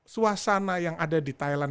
suasana yang ada di thailand